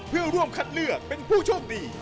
เพื่อร่วมคัดเลือกเป็นผู้โชคดี